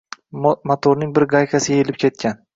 motorning bir gaykasi yeyilib ketgan